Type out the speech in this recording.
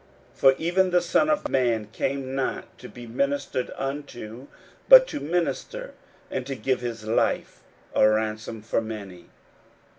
41:010:045 For even the Son of man came not to be ministered unto, but to minister, and to give his life a ransom for many.